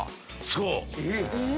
そう！